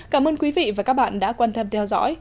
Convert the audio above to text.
cảm ơn quý vị và các bạn đã quan tâm theo dõi